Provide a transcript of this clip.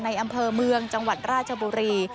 อำเภอเมืองจังหวัดราชบุรี